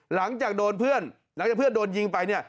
หลังจากโดนเพื่อนหลังจากเพื่อนโดนยิงไปเนี่ย